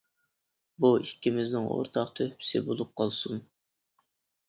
بۇ، ئىككىمىزنىڭ ئورتاق تۆھپىسى بولۇپ قالسۇن.